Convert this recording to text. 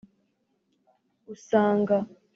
usanga